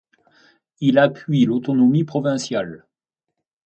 Il appuie l'autonomie provinciale.